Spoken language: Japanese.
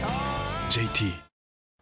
ＪＴ